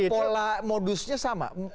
pola modusnya sama